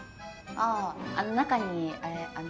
ああ中にあれあの。